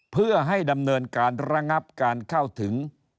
เพื่อให้ดำเนินการระงับการเข้าถึง